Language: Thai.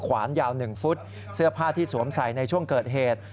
ขวานยาว๑ฟุตเสื้อผ้าที่สวมใส่ในช่วงเกิดเหตุ